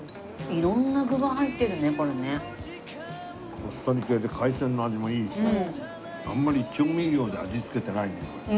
あっさり系で海鮮の味もいいしあんまり調味料で味付けてないねこれ。